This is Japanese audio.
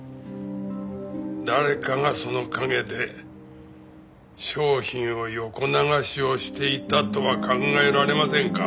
誰かがその陰で商品の横流しをしていたとは考えられませんか？